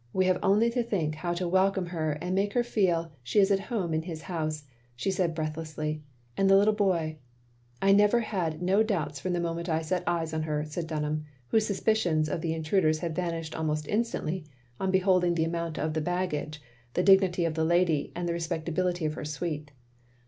We have only to think how to welcome her and make her feel she is at home in his house, " she said breathlessly, "and the little boy —" "I never had no doubts from the moment I set eyes on her, " said Dunham, whose suspicions of the intrudeirs had vanished almost instantly on beholding the amount of the baggage, the dignity of the lady, and the respectability of her suite.